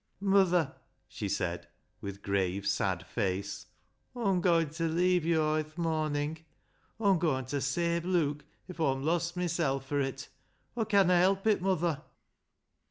" Muther," she said, with grave, sad face, "Aw'm goin' t' leeave yo' aw i' th' morning. Aw'm goin' ta save Luke, if Aw'm lost mysel' fur it. Aw conna help it, muther."